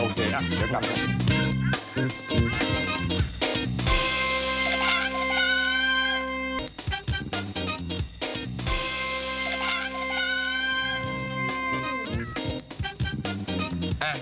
โอเคอ่ะเดี๋ยวกัน